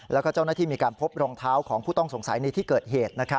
แล้วก็เจ้าหน้าที่มีการพบรองเท้าของผู้ต้องสงสัยในที่เกิดเหตุ